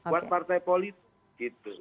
buat partai politik gitu